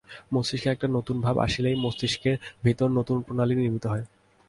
মস্তিষ্কে একটি নূতন ভাব আসিলেই মস্তিষ্কের ভিতর নূতন প্রণালী নির্মিত হয়।